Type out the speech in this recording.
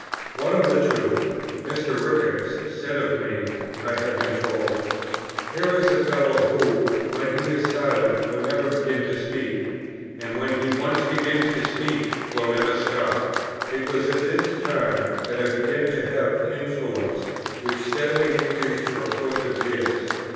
One of the two, Mr. Rickards, said of me, I have been told, "Here is a fellow who, when he is silent, will never begin to speak; and when he once begins to speak, will never stop." It was at this time that I began to have influence, which steadily increased for a course of years.